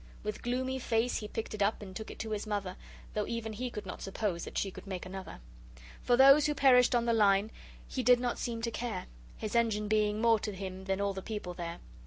With gloomy face he picked it up And took it to his Mother, Though even he could not suppose That she could make another; For those who perished on the line He did not seem to care, His engine being more to him Than all the people there.